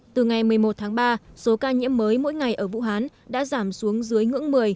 từ ngày một mươi một tháng ba số ca nhiễm mới mỗi ngày ở vũ hán đã giảm xuống dưới ngưỡng một mươi